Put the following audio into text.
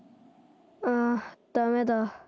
ああダメだ。